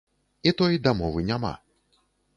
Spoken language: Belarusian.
І той дамовы няма.